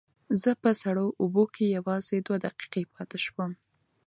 زه په سړو اوبو کې یوازې دوه دقیقې پاتې شوم.